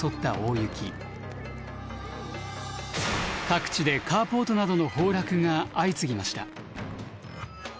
各地でカーポートなどの崩落が相次ぎました。